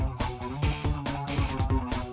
aduh aduh aduh aduh